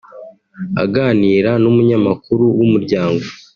Aganira n’umunyamakuru w’Umuryango